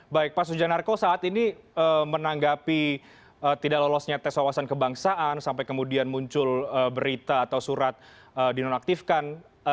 baik pak sujanarko saat ini menanggapi tidak lolosnya tes wawasan kebangsaan sampai kemudian muncul berita atau surat dinonaktifkan